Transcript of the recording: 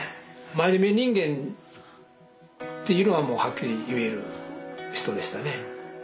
真面目人間っていうのはもうはっきり言える人でしたね。